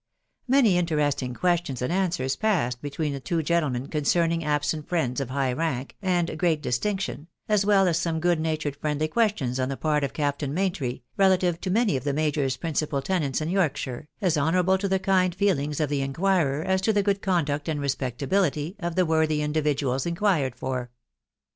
Many in teresting questions and answers passed between the two gen tlemen concerning absent friends of high rank and great dis tinction, as well as some good natured friendly questions on the part of Captain Maintry relative to many of the Major's principal tenants in Yorkshire, as honourable to the kind feel ings of the inquirer as to the good conduct and respectability of the worthy individuals inquired for.